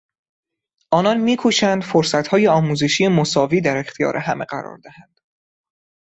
آنان می کوشند فرصتهای آموزشی مساوی در اختیار همه قرار دهند.